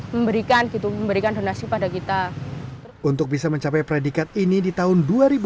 memberikan gitu memberikan donasi pada kita untuk bisa mencapai predikat ini di tahun dua ribu dua puluh